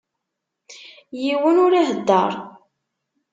Yiwen ur ihedder.